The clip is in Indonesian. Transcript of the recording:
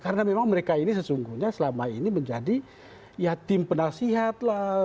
karena memang mereka ini sesungguhnya selama ini menjadi ya tim penasihat lah